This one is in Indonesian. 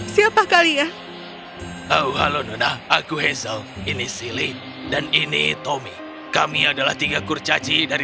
siapa kalian oh halo nona aku hazel ini silly dan ini tommy kami adalah tiga kurcaci dari